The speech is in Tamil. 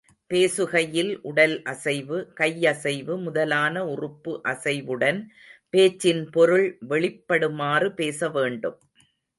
பேசுகையில் உடல் அசைவு, கையசைவு முதலான உறுப்பு அசைவுடன் பேச்சின் பொருள் வெளிப்படுமாறு பேச வேண்டும்.